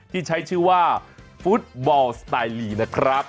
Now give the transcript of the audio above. ที่ใช้ชื่อว่าฟุตบอลสไตลลีนะครับ